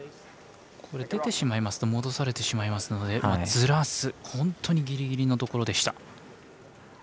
出てしまいますと戻されてしまいますのでずらす、本当にギリギリのところでした。